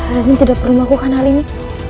kalian tidak perlu melakukan hal ini